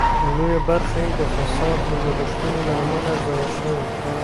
لویه برخه یې د فساد او لګښتونو له امله ضایع شوې.